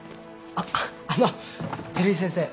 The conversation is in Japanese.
あっあの照井先生